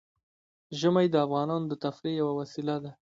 ژمی د افغانانو د تفریح یوه وسیله ده.